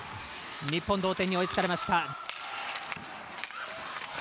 日本、同点に追いつかれました。